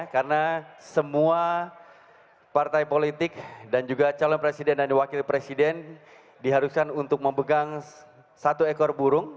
karena semua partai politik dan juga calon presiden dan wakil presiden diharuskan untuk memegang satu ekor burung